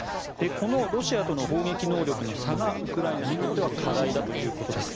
このロシアとの砲撃能力の差がウクライナにとっては課題だということです。